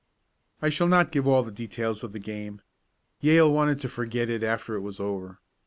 I shall not give all the details of that game. Yale wanted to forget it after it was over.